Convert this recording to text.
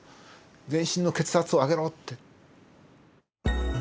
全身の血圧を上げろって。